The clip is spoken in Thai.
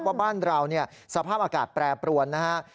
ว่าบ้านเราสภาพอากาศแปรปรวนนะฮะ